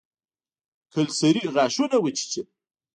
کلسري غاښونه وچيچل.